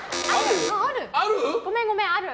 ごめんごめん、ある。